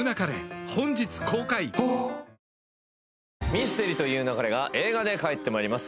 『ミステリと言う勿れ』が映画で帰ってまいります。